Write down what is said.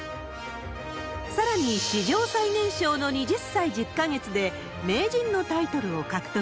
さらに、史上最年少の２０歳１０か月で名人のタイトルを獲得。